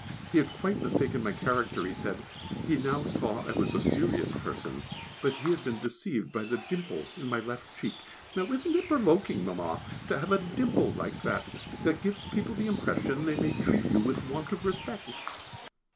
He had quite mistaken my character he said, he now saw I was a serious person, but he had been deceived by the dimple in my left cheek. (Now isn't it provoking, Mamma, to have a dimple like that, that gives people the impression they may treat you with want of respect?)